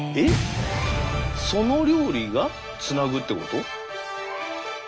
その料理がつなぐってこと？